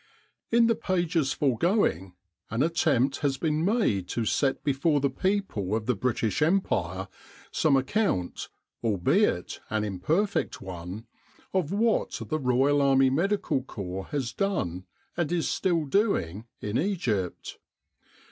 301 CHAPTER XVIII IN the pages foregoing an attempt has been made to set before the people of the British Empire some ac count, albeit an imperfect one, of what the Royal Army Medical Corps has done, and is still doing, in Egypt.